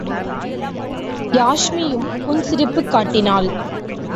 யாஸ்மியும் புன்சிரிப்புக் காட்டினாள்.